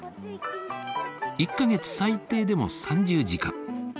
１か月最低でも３０時間。